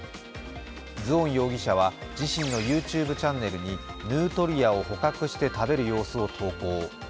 ズオン容疑者は自身のＹｏｕＴｕｂｅチャンネルにヌートリアを捕獲して食べる様子を投稿。